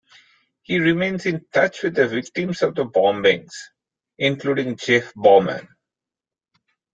He remains in touch with the victims of the bombings, including Jeff Bauman.